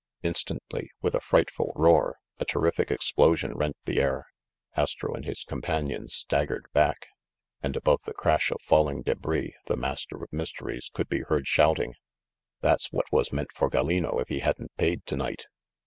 Instantly, with a frightful roar, a terrific ex plosion rent the air. Astro and his companions stag gered back, and above the crash of falling debris the Master of Mysteries could be heard shouting : "That's what was meant for Gallino if he hadn't paid to night!"